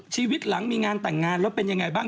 ชีวิตหลังมีงานแต่งงานแล้วเป็นยังไงบ้าง